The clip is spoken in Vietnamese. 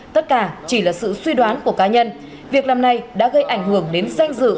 tất cả chỉ là sự suy đoán của cá nhân việc làm này đã gây ảnh hưởng đến sanh dự